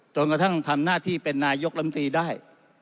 จนกระทั่งทำหน้าที่เป็นนายกรรมตรีได้